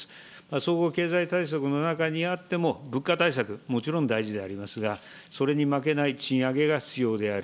総合経済対策の中にあっても、物価対策、もちろん大事でありますが、それに負けない賃上げが必要である。